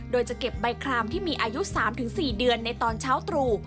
โดยจะเก็บใบครามที่มีอายุ๓๔เดือนในตอนเช้าตรู่